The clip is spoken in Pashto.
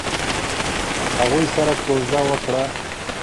هغوی سره کوژده وکړه.